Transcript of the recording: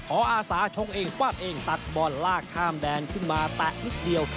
อาสาชงเองฟาดเองตัดบอลลากข้ามแดนขึ้นมาแตะนิดเดียว